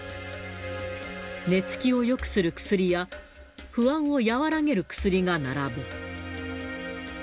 寝つきをよくする薬や、不安を和らげる薬が並ぶ。